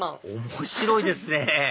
面白いですね